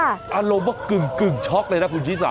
อารมณ์ว่ากึ่งช็อกเลยนะคุณชีสา